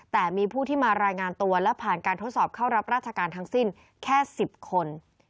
แต่มีผู้ที่มารายงานตัวและผ่านการทดสอบเข้ารับราชการทั้งสิ้นแค่๑๐คน